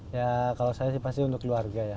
ya kalau saya sih pasti untuk keluarga ya